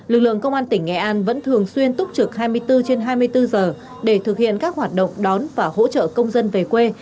lực lượng công an tỉnh nghệ an vẫn thường xuyên túc trực hai mươi bốn trên hai mươi bốn giờ để thực hiện các hoạt động đón và hỗ trợ công dân về quê